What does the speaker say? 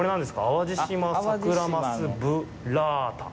淡路島サクラマスブッラータ？